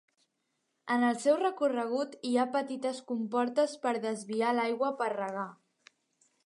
En el seu recorregut hi ha petites comportes per desviar l'aigua per regar.